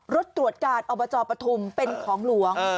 รถตรวจการอบจปฐุมเป็นของหลวง